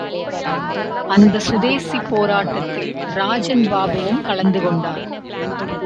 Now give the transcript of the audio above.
அந்த சுதேசிப் போராட்டத்தில் ராஜன் பாபுவும் கலந்து கொண்டார்.